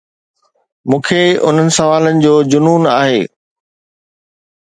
مون کي انهن سوالن جو جنون آهي.